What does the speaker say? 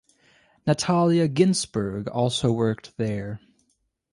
Natalia Ginzburg also worked there.